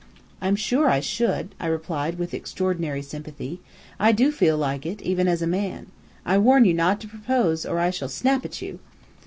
"I'm sure I should," I replied with extraordinary sympathy. "I do feel like it, even as a man. I warn you not to propose, or I shall snap at you."